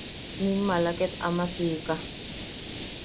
Nim maala ket ama sika.